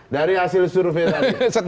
dari hasil survei tadi